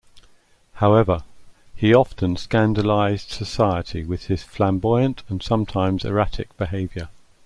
However, he often scandalized society with his flamboyant and sometimes erratic behavior.